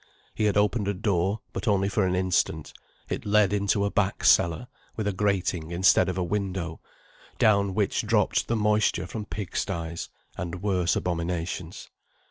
He had opened a door, but only for an instant; it led into a back cellar, with a grating instead of a window, down which dropped the moisture from pigsties, and worse abominations.